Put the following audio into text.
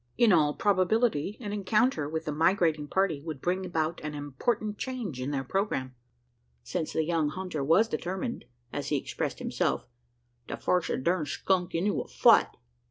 In all probability, an encounter with the migrating party would bring about an important change in their programme: since the young hunter was determined, as he expressed himself, "to force the durned skunk into a fight."